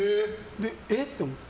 え？って思って。